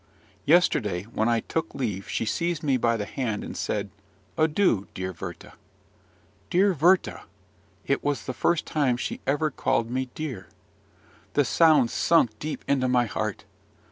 Yesterday, when I took leave she seized me by the hand, and said, "Adieu, dear Werther." Dear Werther! It was the first time she ever called me dear: the sound sunk deep into my heart.